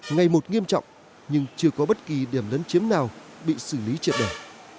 ngày một nghiêm trọng nhưng chưa có bất kỳ điểm lấn chiếm nào bị xử lý triệt đề